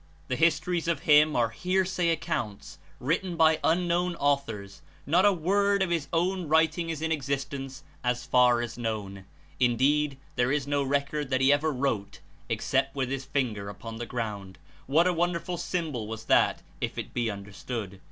The histories of him are hearsay accounts, written by unknown authors; not a word of his own writing 20 Is In existence as far as known; Indeed there Is no record that he ever wrote, except with his finger upon the ground (what a wonderful symbol was that, if it be understood!)